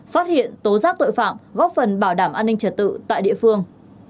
phát hiện tố giác tội phạm góp phần bảo đảm an ninh trật tự tại địa phương